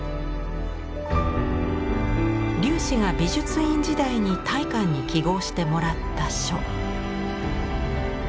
龍子が美術院時代に大観に揮毫してもらった書。